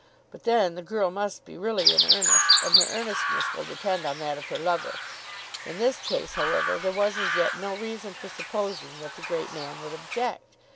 But then the girl must be really in earnest, and her earnestness will depend on that of her lover. In this case, however, there was as yet no reason for supposing that the great man would object.